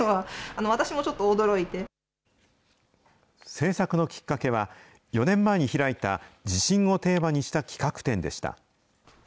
製作のきっかけは、４年前に開いた地震をテーマにした企画展でした。